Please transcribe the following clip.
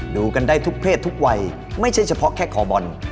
ดูกันได้ทุกเพศทุกวัยไม่ใช่เฉพาะแค่ขอบอล